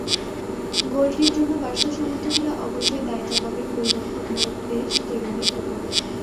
গোলটির জন্য বার্সা সমর্থকেরা অবশ্যই দায় চাপাবেন গোলরক্ষক মার্ক টের স্টেগানের ওপর।